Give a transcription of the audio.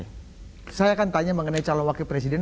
oke saya akan tanya mengenai calon wakil presiden